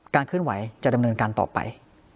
เคลื่อนไหวจะดำเนินการต่อไป